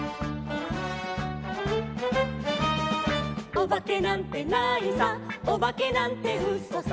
「おばけなんてないさおばけなんてうそさ」